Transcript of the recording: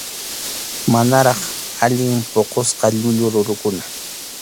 Manaraq allin puqusqa llullu rurukuna.